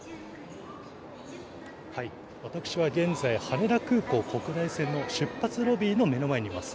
私は現在、羽田空港国内線の出発ロビーの目の前にいます。